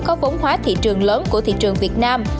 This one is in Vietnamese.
có vốn hóa thị trường lớn của thị trường việt nam